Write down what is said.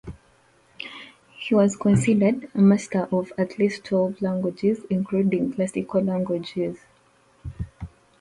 He was considered a master of at least twelve languages, including classical languages.